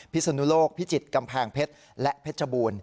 สุนุโลกพิจิตรกำแพงเพชรและเพชรบูรณ์